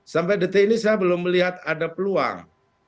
sampai detik ini saya belum melihat ada peluang